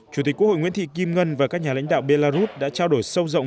chủ tịch quốc hội nguyễn thị kim ngân và các nhà lãnh đạo belarus đã trao đổi sâu rộng